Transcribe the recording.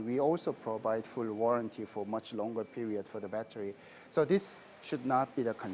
hal yang penting adalah bagaimana kita akan menggabungkan baterai saat baterai sudah berjalan